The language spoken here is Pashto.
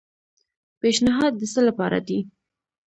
پیشنھاد د څه لپاره دی؟